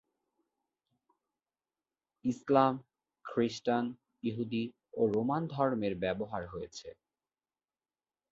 ইসলাম, খ্রিষ্টান, ইহুদি ও রোমান ধর্ম এর ব্যবহার হয়েছে।